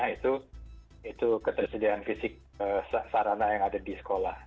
itu ketersediaan fisik sarana yang ada di sekolah